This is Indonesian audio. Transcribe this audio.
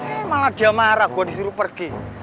eh malah dia marah gue disuruh pergi